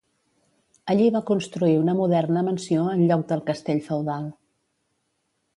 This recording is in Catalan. Allí va construir una moderna mansió en lloc del castell feudal.